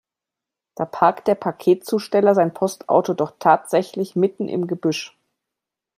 Da parkt der Paketzusteller sein Postauto doch tatsächlich mitten im Gebüsch!